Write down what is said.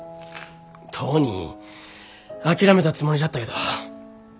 とうに諦めたつもりじゃったけど。